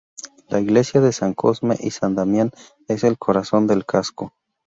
La iglesia de San Cosme y San Damián es el corazón del casco.